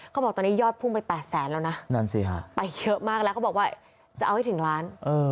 เขาบอกตอนนี้ยอดพุ่งไป๘แสนแล้วนะนั่นสิฮะไปเยอะมากแล้วเขาบอกว่าจะเอาให้ถึงล้าน